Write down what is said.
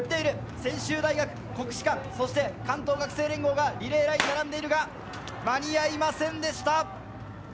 専修大学、国士舘、そして関東学生連合が並んでいるが、間に合いませんでした。